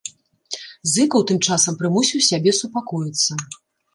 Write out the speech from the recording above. Зыкаў тым часам прымусіў сябе супакоіцца.